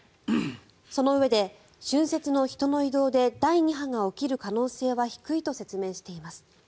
そのうえで、春節の人の移動で第２波が起きる可能性は低いと説明しています。